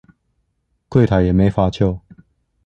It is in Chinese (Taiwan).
櫃檯也沒法救